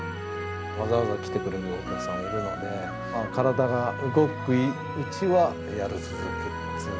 わざわざ来てくれるお客さんもいるので、体が動くうちはやり続けたい。